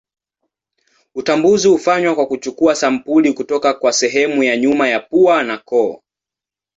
Utambuzi hufanywa kwa kuchukua sampuli kutoka kwa sehemu ya nyuma ya pua na koo.